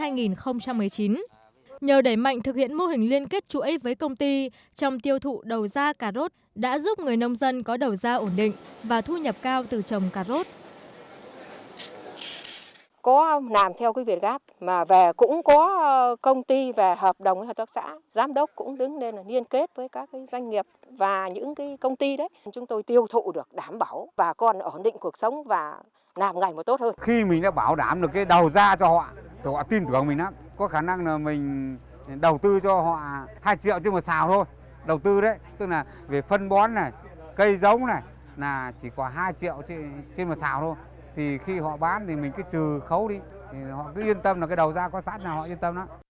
nhờ đẩy mạnh thực hiện mô hình liên kết chuỗi với công ty trong tiêu thụ đầu da cà rốt đã giúp người nông dân có đầu da ổn định và thu nhập cao từ trồng cà rốt